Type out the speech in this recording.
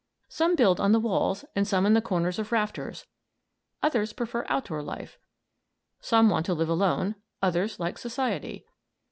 Some build on the walls and some in the corners of rafters, others prefer outdoor life. Some want to live alone, others like society.